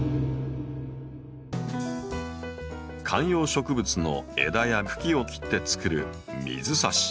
観葉植物の枝や茎を切って作る水挿し。